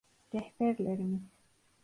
Rehberlerimiz…